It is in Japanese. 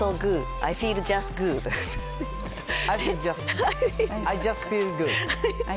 アイ・ジャスト・フィール・グッド。